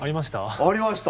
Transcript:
ありました。